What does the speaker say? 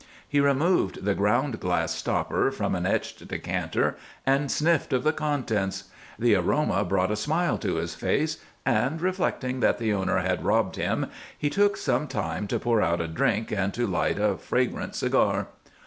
He removed the ground glass stopper from an etched decanter and sniffed of the contents. The aroma brought a smile to his face, and, reflecting that the owner had robbed him, he took time to pour out a drink and to light a fragrant cigar.